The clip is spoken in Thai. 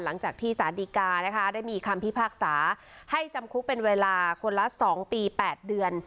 หลังจากที่สารดีกานะคะได้มีคำพิพากษาให้จำคุกเป็นเวลาคนละ๒ปี๘เดือน